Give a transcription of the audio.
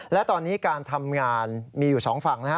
และตอนนี้การทำงานมีอยู่สองฝั่งนะฮะ